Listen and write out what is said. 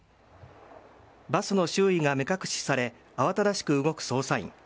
バスの周囲が目隠しされ、慌ただしく動く捜査員。